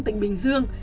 tỉnh bình dương